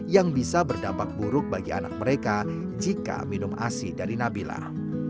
yang bisa berdampak buruk bagi anak mereka jika minum asi dari nabilah